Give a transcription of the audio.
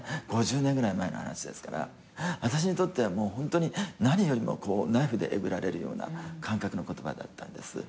５０年ぐらい前の話ですから私にとっては何よりもこうナイフでえぐられるような感覚の言葉だったんです。